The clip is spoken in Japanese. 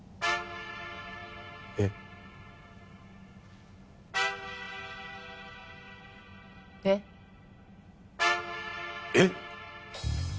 えっ？えっ？えっ！？